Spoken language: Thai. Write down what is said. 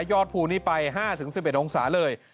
อดภูมินี่ไป๕๑๑องศาเลย